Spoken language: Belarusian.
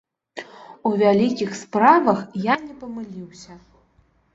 У вялікіх справах я не памыліўся.